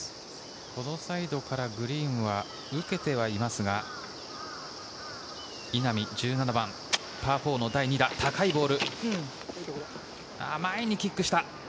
このサイドからグリーンは受けてはいますが、稲見、１７番、パー４の第２打、高いボール。